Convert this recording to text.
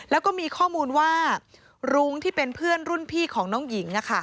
แล้วก็มีข้อมูลว่ารุ้งที่เป็นเพื่อนรุ่นพี่ของน้องหญิง